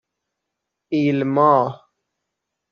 ایلماه